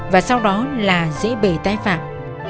và sau đó là dễ bề tai phạm